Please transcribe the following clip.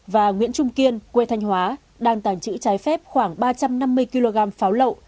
và nguyễn trung kiên quê thanh hóa đang tàng trữ trái phép khoảng ba trăm năm mươi kg pháo lậu